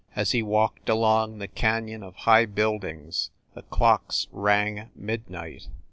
As he walked along the canyon of high buildings the clocks rang midnight.